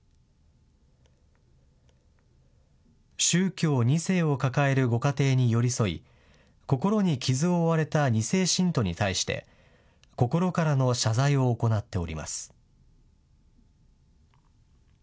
宗教２世を抱えるご家庭に寄り添い、心に傷を負われた２世信徒に対して、心からの謝罪を行っております。